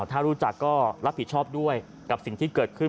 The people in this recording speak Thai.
ถ้ารู้จักก็รับผิดชอบด้วยกับสิ่งที่เกิดขึ้น